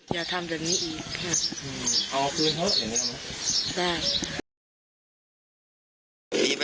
อย่าทำแบบนี้อีกค่ะ